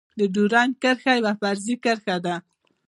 د ډيورند کرښه يوه فرضي کرښه ده.